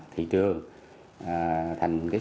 thị trường thành cái